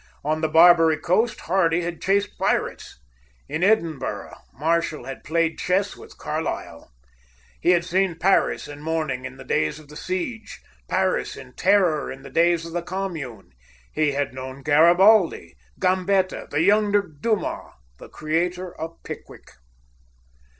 On the Barbary Coast Hardy had chased pirates. In Edinburgh Marshall had played chess with Carlyle. He had seen Paris in mourning in the days of the siege, Paris in terror in the days of the Commune; he had known Garibaldi, Gambetta, the younger Dumas, the creator of Pickwick.